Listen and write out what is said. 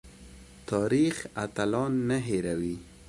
تاریخ اتلان نه هیروي